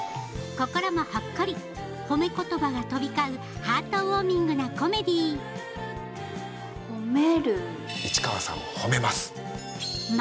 心もほっこりほめ言葉が飛び交うハートウォーミングなコメディーほめる。